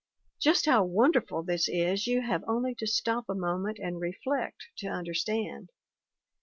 Just how wonderful this is you have only to stop a moment and reflect to understand.